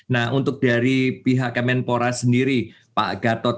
nah untuk dari pihak kemenpora sendiri pak gatot